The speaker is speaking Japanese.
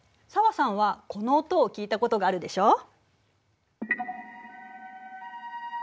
紗和さんはこの音を聞いたことがあるでしょ？